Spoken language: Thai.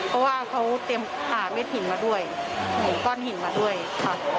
เพราะว่าเขาเตรียมหาเม็ดหินมาด้วยเห็นก้อนหินมาด้วยค่ะ